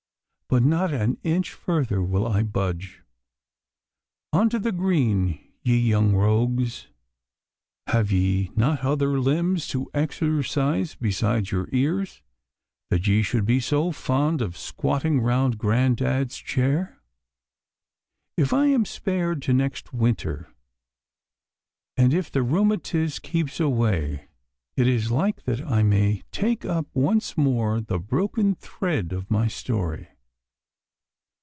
But not an inch further will I budge. On to the green, ye young rogues! Have ye not other limbs to exercise besides your ears, that ye should be so fond of squatting round grandad's chair? If I am spared to next winter, and if the rheumatiz keeps away, it is like that I may take up once more the broken thread of my story.